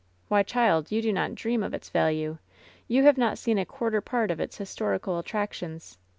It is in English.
Why, child, you do not dream of its value. You have not seen a quarter part of its historical attractions.